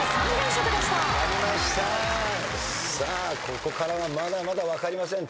ここからまだまだ分かりません。